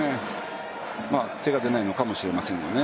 手が出ないのかもしれませんね。